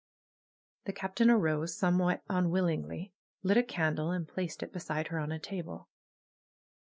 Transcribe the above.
The Captain arose, somewhat unwillingly, lit a can dle and placed it beside her on a table.